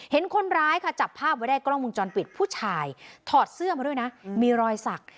เห็นคนร้ายค่ะจับภาพไว้ได้กล้องมุมจรปิดผู้ชายถอดเสื้อมาด้วยนะมีรอยสัก